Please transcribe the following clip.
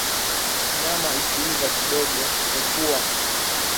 Nyama ikiiva kidogo epua